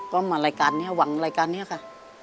ก็มารายการนี้หวังรายการนี้ค่ะ